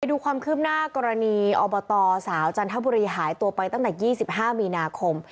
ดูความคืบหน้ากรณีอบตสาวจันทบุรีหายตัวไปตั้งแต่๒๕มีนาคม